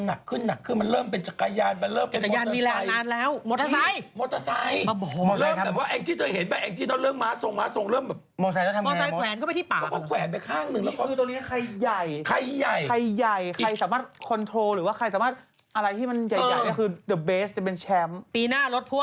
แฮ่ดีใจที่มานะครับม้าทรงปีนี้แต่ละคนนี้อู้หู